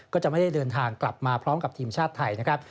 ก็จะไม่ได้เดินทางกลับมาพร้อมกับทีมชาติไทยนะครับ